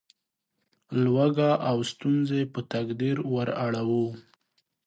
لوږه او ستونزې په تقدیر وراړوو.